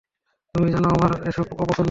তুমি জানো আমার এসব অপছন্দ।